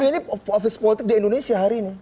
ini office politik di indonesia hari ini